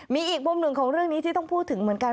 มีอีกมุมหนึ่งของเรื่องนี้ที่ต้องพูดถึงเหมือนกัน